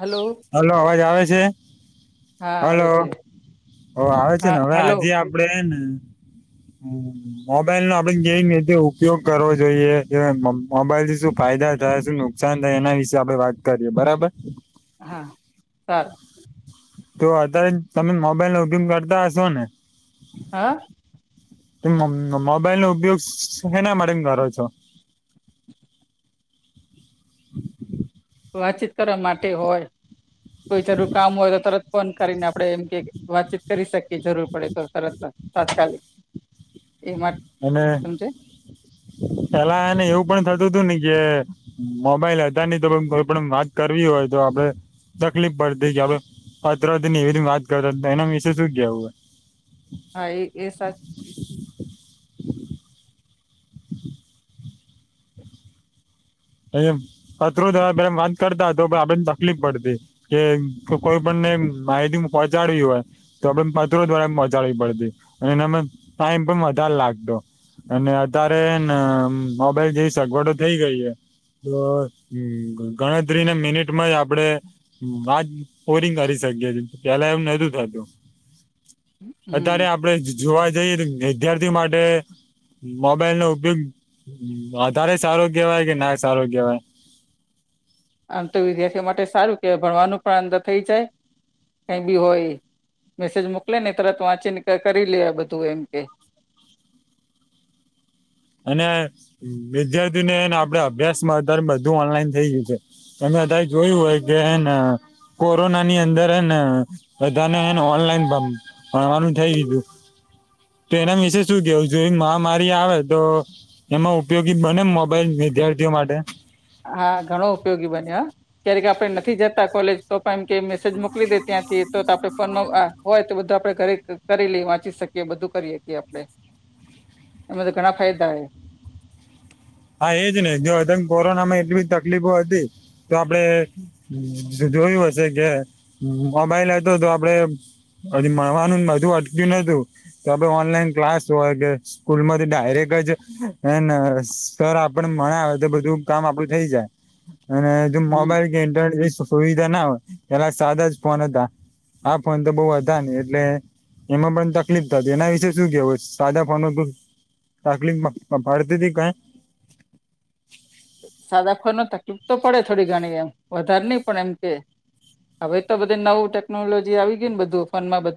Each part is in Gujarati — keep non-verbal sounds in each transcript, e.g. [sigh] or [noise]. હલો હલો અવાજ આવે છે હા આવે હલો છે ઓ આવે છે ને હવે હા હલો આજે આપડે ને હમ્મ મોબાઈલ નો આપડે કેમ રીતે ઉપયોગ કરવો જોઈએ મોબાઈલ થી શું ફાયદા થાય શું નુકશાન થયે એના વિશેે આપડે વાત કરીએ બરાબર હા સરાર તો અત્યારે તમે મોબાઈલ ન ઉપયોગ કરતા હશો ને હા મોબાઈલ નો ઉપયોગ સેના માટે કરો છો [inaudible] વાતચીત કરવા માટે હોય કોઈ જરૂ કામ હોય તો તરત ફોન કરીને આપડણે એમ કે વાતચીત કરી શકીએ જરૂર પડે તો સરત તાત્કાલિક એમા અને પેલા એને એવું પણ થતું હતું ને કે મોબાઈલ અ હતાા નહીં તો કોઈ પણ વાત કરવી હોય તો આપડે તકલીફ પડતી કે આપવે પાત્ર એવી રીતે વાત કરતા એના વિશે શું કેવું હોય હા એ એ સ અ કતરો થ પેલા વાત કરતા હતો પણ આપડેને તકલીફ પડતી કે કોઈ પણને માહિતી પહોચાડવી હોય તો આપણે પત્રો ઘ્વારા પહોંચાવી પડતી અને એમાં ટાઈમ પણ વધારે લાગતો. અને અત્યારે મોબાઇલ જેવી સગવડો થઈ ગઈ છે. તો હવે ગણતરીની મિનિટોમાં જ આપણે વાત પુરી કરી શકીએ છીએ. પહેલાં આવું નહી તી થતું હમ અત્યારે આપણે જોવા જઈએ તો વિદ્યાર્થી ઓ માટે મોબાઇલનો ઉપયોગ વધારે સારો કેવાય કે ના કેવાયે આમ તો વિદ્યાર્થીઓ માટે સારુ કહેવાય ભણવાનું પણ આમ તો થયે જાય કંઈ પણ હોયે મેસેજ મોકલેને તરત વાંચી ને કરી લે બધું એમ કે અને વિદ્યાર્થી ને આપણા અભ્યાસ આધાર બધું ઓનલાઈન થઈ ગયું છે. તમે અત્યારે જોયું જ હેને કોરોના ની અંદર ને બધાને ઓનલાઈન આમ ભણવાનું થઈ ગયું હતું તેના વિશે સુ કહેવું છે મહામારી આવે તો એમા ઉપયોગી બને વિદ્યાર્થીઓ માટે હા, ઘણો ઉપયોગી બને હ ક્યારેક આપણે નથી જતા કોલેજ તો પણ કે મેસેજ મોકલી દે ત્યાંથી તો આપણે ફોન નો હોયે તો આપણે બધું ઘરે કરી લિયે વાચી શકીયે બધું કરી હકીયે હા, તેમાં તો ઘણા ફાયદા છે. હા, એ જ ને કોરોના દરમિયાન ઘણી તકલીફો હતી તો આપણે તમે જોયું જ હશે કે જો મોબાઇલ હોત તો આપણે હજી ભણવાનું બધું અટકી નતુ તો ઓનલાઈન ક્લાસ હોય કે સ્કૂલ માંથી ડાયરેક. ત્યાં આપણે મળી આવે બધું કામ આપણે થઇયે જાયે જો હમ મોબાઇલ અને ઇન્ટરનેટ થી સુવિધા ના હોયે પહલે આ સાદા જ ફોન હતા આ ફોને તો હતા નહીં એટલે એમા પણ તકલીફ થતી એવા વિશે સુ કેવું છે હા, ત્યારે ઘણી તકલીફ પડતી હતી. સાદા ફોનમાં તકલીફ તો પડે થોડીઘણી એમ વધારે ની પડે એમ કે હવે તો નવી ટેકનોલોજી આવી ગયે બધું ફોન મા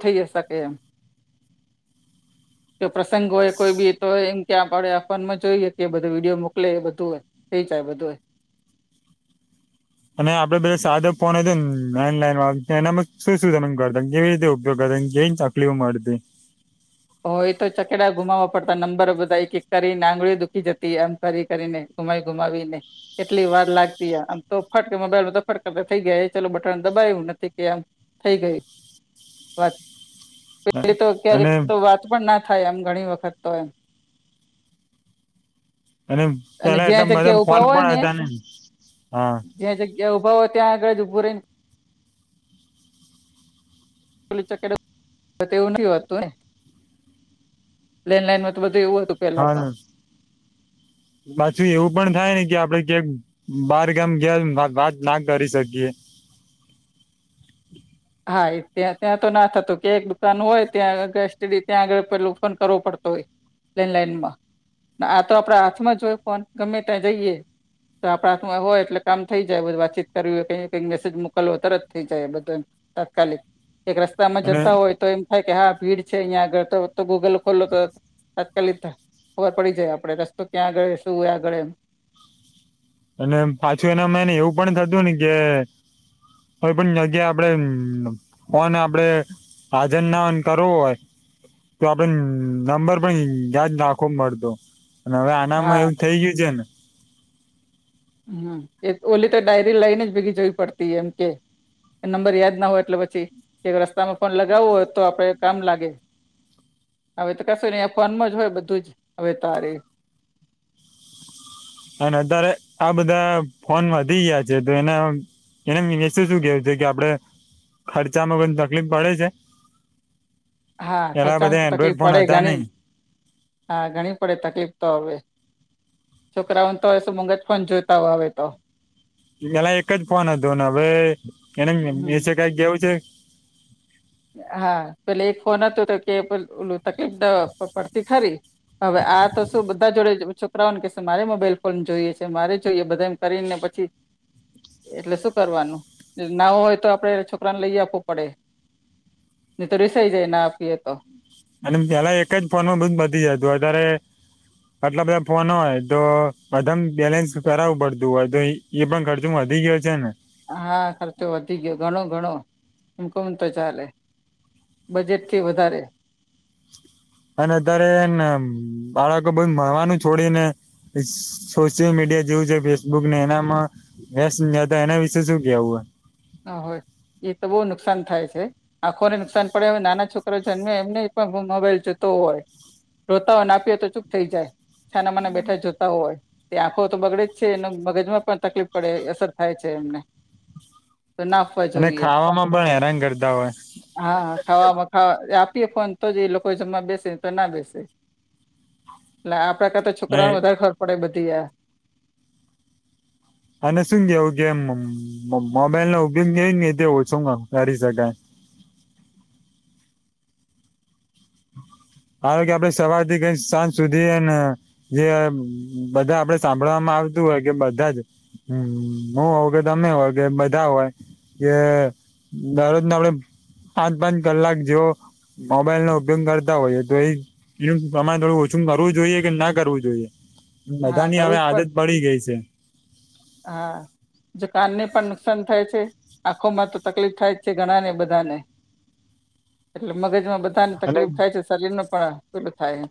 થયે શકે [unintelligible] કોઈ પ્રસંગ હોયે કોઈ ભી તો એમ કે આ ફોન મા જોયે તે વિડિઓ મોકલે તો એ થય જાયે બધુએ અને પહેલાં જ્યારે સાદા ફોન અને લેન્ડલાઇન તેનામાં શુ શુ ગમેંગ કરતા કય રીતે ઉપયોગ કરતા [unintelligible] [unintelligible] મળતી હો એતો છકડા ગુમાવા પડતા નંબર બધા એક એક કરીને આંગળિયો દુઃકી જતી એમ કરિ કરિ ને. ગુમાવી ગુમાવી ને કેટલી વાર લગતી હોયે આમ તો ફટ મોબાઇલ મા બટન દબાયું ને થય ગયું થયે જાયે વાત્ત પહેલાં તો ક્યારે અને વાત પણ ના થયે ઘણી વખત તો એમ અને અને પહેલાં જ્યાં એટલા બધા જગ્યા ઉભા ફોન પણ હતા નહીં હા જે જગ્યા ઉભા હોયે ત્યાં આગળ ઉભા રહી ને [unintelligible] હ લેન્ડલાઇનમાં તો બધું એવું હતું. પેલા તો હા પછી એવુ પણ થયે ને જાયારે આપડે બહારગામ ગ્યા હોયતો વાત ના હારી શકીયે હા, એ ત્યાં-ત્યાં તો ના થતું કે એક દુકાન હોય ત્યાં, એસ ટીડી ત્યાં આગળ પેલું ફોન કરવો પડતો હોય. લેન્ડલાઇનમાં આ તો આપણા હાથ મા જ હોયે ફોન ગમે ત્યાં જયે હા, મોબાઇલ હાથમાં હોય એટલે વાતચીત કરવી હોય કે મેસેજ મોકલવો હોય, બધું જ તરત થઈ જાય છે. તાત્કાલીન કંઈક રસ્તામાં અને જતા હોઈએ હા ભીડ છે આ આગળ તો ગુગલ ખોલો તો તાત્કાલિક ખબર પડી જાય આપણે રસ્તો ત્યાં આગળ શું સ અને પાછુ એનામા આવું પણ થતું હોયે કે કો પણ જગ્યા આપડે ફોન આપડે હાજન નાન કરવું હોય તો આપડે નંબર પણ યાદ નાખવા મળતો અને હવે આનામાં હા એવું થઈ ગયું છે ને હમ્મ એ ઓલી તો ડાયરી લઈને જ ભેગી જોવી પડતી એમ કે નંબર યાદ ના હોય એટલે પછી કે રસ્તામાં ફોન લગાવવો હોય તો આપણે કામ લાગે હવે તો કશું નને ફોનમાં જ હોય બધું જ હવે તારે અને અત્યારે આ બધા ફોન હટી ગયા છે તો એના એને શું કેવું છે કે આપડે ખર્ચામાં પણ તકલીફ પડે છે હા પેલા ખર્ચામાં તો બધા એન્ડ્રોઈડ તકલીફ ફોન પડે હતા ઘણી નહી હા ઘણી પડે તકલીફ તો હવે છોકરાઓને તોય શું મંગજ ફોન જોઈતા હોય હવે તો પેલા એક જ ફોન હતો ન હવે એને એ હમ વિશે કઈ કેવું છે. હા પેલે એક ફોન હતો તો કે ઓલું તકલીફ પડતી ખરી હવે આ તો શું બધા જોડે છોકરાઓને કેહે છે મારે મોબાઈલ ફોન જોઈએ છે મારે જોઈએ બધા એમ કરીને પછી એટલે શું કરવાનું ના હોય તો આપડે છોકરાને લઈ આપવું પડે નહી તો રિસાઈ જાયને આપીએ તો અને પેલા એક જ ફોનમાં બધુ પતી જતું અત્યારે આટલા બધા ફોન હોય તો બધામ બેલેન્સ કરાવું પડતું હોય તો એ પણ ખર્ચો વધી ગયો છે ને હા ખર્ચો વધી ગયો ઘણો ઘણો એમ કઉ તો ચાલે બજેટથી વધારે અને અત્યારે હેને બાળકો બધુ ભણવાનું છોડીને સોશિયલ મીડિયા જેવું છે ફેસબુક ને એનામાં વેસ્ટ નહી હોતા એનાવિશે શું કેવું હે હ હો એ તો બહુ નુકસાન થાય છે. આંખોને નુકસાન પડે હવે નાના છોકરો જન્મે એમને પણ મોબાઈલ જતો હોય રોતા હોય ના આપી હો તો ચૂપ થઈ જાય છાનામાંના બેઠા જોતા હોય તે આંખો તો બગડે જ છે એ મગજમાં પણ તકલીફ પડે અસર થાય છે એમને તો ના આપવા અને જોઈએ ખાવામાં પણ હેરાન કરતા હોય હા ખાવામાં ખાવા આપીએ ફોન તો જ એ લોકો જમવા બેસે તો ના બેસે એટલે આપડા કરતા અને છોકરાઓને વધારે ખબર પડે બધી આ અને શું કેવું કેમ મોબાઈલ નો ઉપયોગ કેવી રીતે ઓછો કરી શકાય ધારો કે આપડે સવારથી કરી સાંજ સુધી હેને જે બધા આપડે સાંભળવામાં આવતું હોય કે બધા જ હમ્મ હું હોવ કે તમે હોય કે બધા હોય કે દરરોજને આપણે પાંચ પાંચ કલાક જેવો મોબાઈલ નો ઉપયોગ કરતા હોઈએ તો એ તમારે થોડું ઓછું કરવું જોઈએ કે ના કરવું જોઈએ. બધા હા ની કરવું હવે જ પડ આદત પડી ગઈ છે. હા. જો કાનને પણ નુકસાન થાય છે આંખો માં તો તકલીફ થાય જ છે ઘણા ને બધાને એટલે મગજમાં બધાને અને તકલીફ થાય છે શરીર નું પણ પેલું થાય.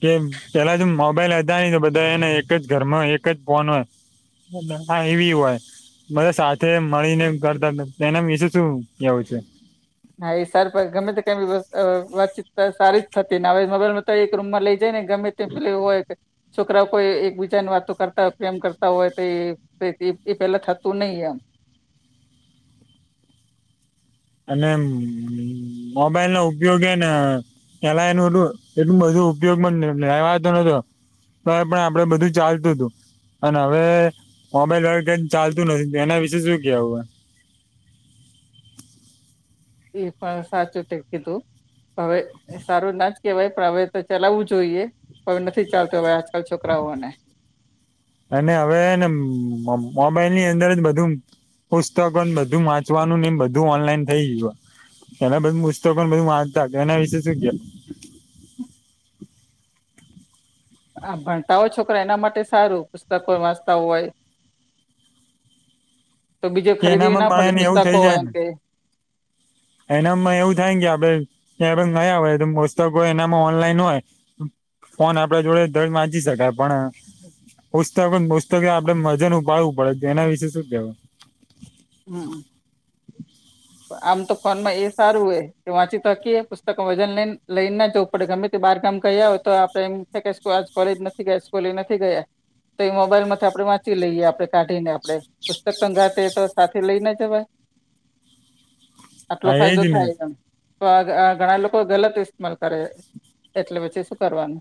કે પેલા તો મોબાઈલ હતા નહિ તો બધા એને એક જ ઘરમાં હોય એક જ ફોન હોય હા ઈવી હોય. બધા સાથે મળીને કરતા એના વીશું કેવું છે. હા એ સાર ગમે તો કઈ વાતચીત સારી જ થતી ને હવે મોબાઈલમાં તો એક રૂમ માં લઈ જને ગમે તે પેલા એવુ હોય છોકરાઓ કોઈ એક બીજા ની વાતો કરતા હોય પ્રેમ કરતા હોય તો એ એ પેલા થતું નહી એમ અને મોબાઈલ નો ઉપયોગે હેને પેલા એનું એટલું એટલું બધું ઉપયોગ માં લેવાતો નતો. તો એ પણ આપડે બધું ચાલતું હતું. અને હવે મોબાઈલ વગર કઈ ચાલતું નથી એના વિશે શું કેવું હે? એ પણ સાચું તે કીધું પણ હવે એ સારું ના જ કેહેવાય પણ હવે તો ચલાવવું જોઈએ હવે નથી ચાલતું હવે આજકાલ છોકરાઓને. અને હવે હેને મોબાઈલ ની અંદર જ બધું પુસ્તકો ને બધું વાંચવાનું ને એમ બધું ઓનલાઈન થઈ ગયું હે એના બધું પુસ્તકો પણ બધું વાંચતા હતા એના વિશે શું કેવું? આ ભણતા હોય છોકરા એના માટે સારું પુસ્તકો વાંચતા હોય. [inaudible] તો બીજે કે ખરીદવી ના પડે એનામાં મને એવું થઇ પુસ્તકો જાય એમ ને? કે એનામાં એવું થાયને કે આપડે એ નયા હોય. પુસ્તક એનામાં ઓનલાઈન હોય. ફોન આપડે જોડે દજ વાંચી શકાય પણ. પુસ્તકોને પુસ્તકે, આપડે મજા ઉપાડવું પડે. એના વિશે શું કેહેવાય. હમ. [unintelligible] આમ તો ફોન માં એ સારું હોય કે, વાંચી તોકીએ. પુસ્તક વજન લને લઈને જો. આપડે ગમે તે બાર ગામ ગયા હોય તો, આપડે એમ છે કે આજ કોલેજ નથી ગયા. સ્કૂલે નથી ગયા. તો એ મોબાઈલમાંથી આપણે વાંચી લઈએ. આપણે કાઢી ને આપડે પુસ્તક ગાતે તો. સાથે લઈને જવાય, આટલો હા ફાયદો એજ ને થાય એમ. તો આ ઘણા લોકો ગલત ઇસ્માલ કરે. એટલે પછી શું કરવાનું?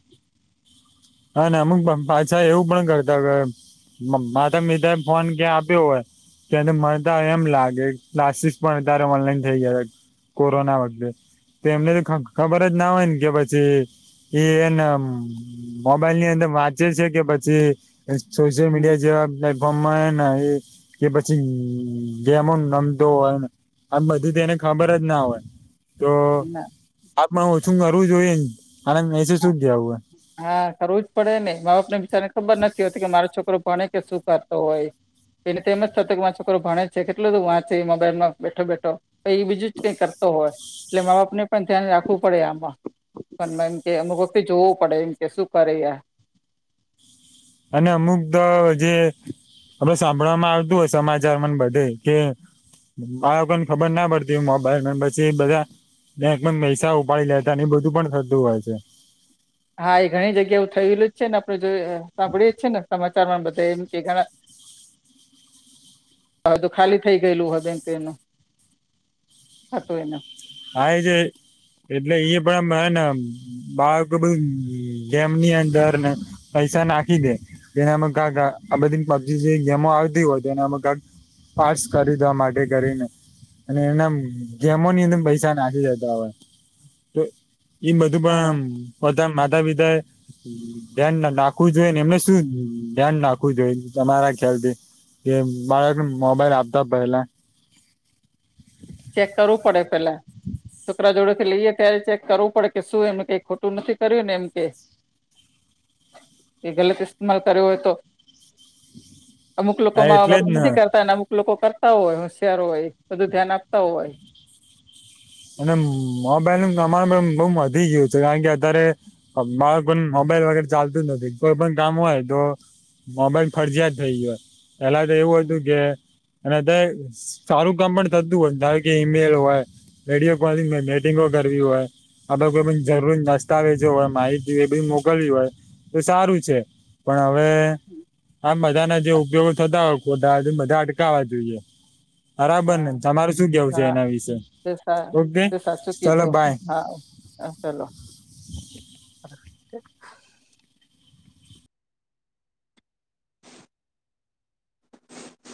હા ને, અમુક પાછા એવું પણ કરતા હો. મારે મીધા ફોન ક્યાં આપ્યો હોય. તને મળતા એમ લાગે, ક્લાસીસ પણ અત્યારે ઓનલાઈન થઈ ગયા. કોરોના વક્ત. તો એમને તો ખબર જ ના હોય ને કે, પછી એ એને. મોબાઈલ ની અંદર વાંચે છે કે, પછી સોશિયલ હમ મીડિયા જેવા. એને એ કે પછી ગેમો રમતો હોય. આમ બધું તેને ખબર જ ના હોય. તો ના આપમાં હ શું કરવું જોઈએ ને? આનંદ નહી સે, શુ હા જ જ આવું હ. હા, કરવું જ પડે ને. મા-બાપ ને બિચારને ખબર નથી હોતી કે, મારો છોકરો ભણે કે શું કરતો હોય? એને એમ જ થતો કે, મા છોકરો ભણે જ છે, કેટલો બધું વાંચે, એ મોબાઈલમાં બેઠો બેઠો. તો એ બીજું જ કઈ કરતો હોય, એટલે મા-બાપને પણ ધ્યાન રાખવું પડે આમાં. મ એમ કે અમુકી જોવું પડે. એમ કે શું કરે? અને અમુક દ જે. હવે સાંભળવામાં આવતું હોય, સમાચાર મને બધે કે. બાળકોને ખબર ના પડતી, મોબાઈલ પછી બધા. બેંક પૈસા ઉપાડી લેતા, એ બધું પણ થતું હોય છે. હા, એ ઘણી જગ્યા થયેલું જ છે ને. આપણે જો સાંભળીએે જ છે ને સમાચાર માં બધા એમ કે ઘણા. હ, તો ખાલી થઈ ગયેલું હ. બેં તો એનું હતું, એનો. હા, એ છે એટલે ઈ પણ હ ને. બાળક બધું ગેમ ની અંદર ને પૈસા નાખી દે. એનામાં, કક આ બધી પબજી જે ગેમો આવતી હોય તો એનામાં, કક. પાર્ટ ખરીદવા માટે કરીને અને એના ગેમોની અંદર પૈસા. નાખી જતા હવે તો, એમ બધું હા પણ. પોતા માતા-પિતા ધ્યાન નાખવું જોઈએ ને, એમને શું ધ્યાન નાખવું જોઈએ, તમારા ખ્યાલથી. એ બાળકને મોબાઈલ આપતા પેલા. ચેક કરવું પડે પહેલા. છોકરા જોડે લઈએ ત્યારે ચેક કરવું પડે કે શું એમને કઈ ખોટું નથી કર્યું ને એમ કે? [unintelligible] એ ગલત ઇસ્તેમાલ કર્યો હોય તો. અમુક લોકો આ મા એટલે વાત જ ને નથી કરતા, અમુક લોકો કરતા હો હોય, હોશિયારો હો, ય બધું ધ્યાન આપે. હોય. અને મોબાઈલ અમારે બઉુ વધી ગયું છે, કારણ કે અત્યારે. બાળકો કોને મોબાઈલ વગેરે ચાલતું જ નથી. કોઈ પણ કામ હોય તો. મોબાઈલ ફરજીયાત થઈ ગયો. પેલા તો એવું હમ હતું કે અને અત્યારે સારું કામ પણ થતું હોય, ધારો કે ઈમેલ હોય. રેડિયો, કોલિંગ, મેટિંગો કરવી હોય, અ કોઈ હમ જરૂરી. દસ્તાવેજો હોય, માહિતી હોય, એ બી મોકલવી હોય તો સારું છે. પણ હવે આમ બધા ના જેવુ થતા હોય પોતા બધા અટકાવવા જોઈએ બરાબર ને હા તમારે શું કેવું છે હા એના વિશે તે સા ઓકે તે સાચુ ચલો કીધું બાય હા હા ચાલો